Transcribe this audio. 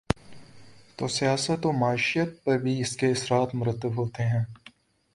تو سیاست ومعیشت پر بھی اس کے اثرات مرتب ہوتے ہیں۔